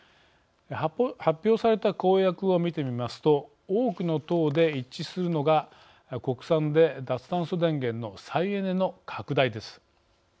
発表された公約を見てみますと多くの党で一致するのが国産で脱炭素電源の再エネの拡大です。